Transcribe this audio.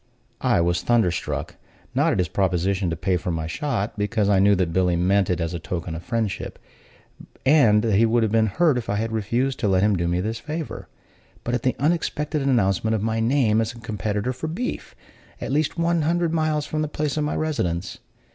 I was thunder struck, not at his proposition to pay for my shot, because I knew that Billy meant it as a token of friendship, and he would have been hurt if I had refused to let him do me this favor; but at the unexpected announcement of my name as a competitor for beef, at least one hundred miles from the place of my residence.